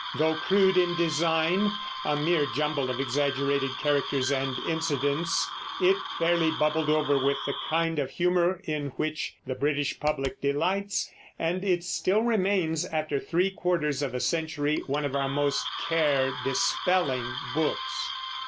Though crude in design, a mere jumble of exaggerated characters and incidents, it fairly bubbled over with the kind of humor in which the British public delights, and it still remains, after three quarters of a century, one of our most care dispelling books.